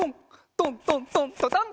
トントントントトン。